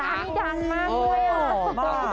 ร้านยังมากด้วยอ่ะโอ้โหบ้า